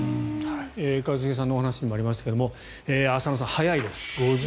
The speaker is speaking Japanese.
一茂さんのお話にもありましたが浅野さん速いです。